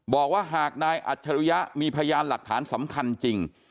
บอกว่าหากนายอัจฉริยะมีพยานหลักฐานสำคัญจริง